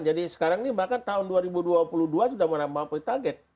jadi sekarang ini bahkan tahun dua ribu dua puluh dua sudah menambah target